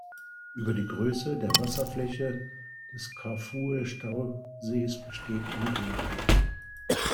Über die Größe der Wasserfläche des Kafue-Stausees besteht Unklarheit.